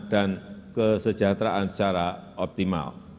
dan kesejahteraan secara optimal